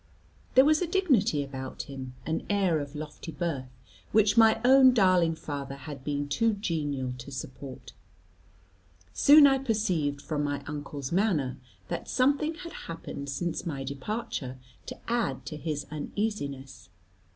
There was a dignity about him, an air of lofty birth, which my own darling father had been too genial to support. Soon I perceived from my uncle's manner, that something had happened since my departure to add to his uneasiness.